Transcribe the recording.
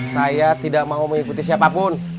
saya tidak mau mengikuti siapapun